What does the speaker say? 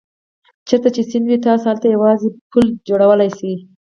چېرته چې سیند وي تاسو هلته یوازې پل جوړولای شئ.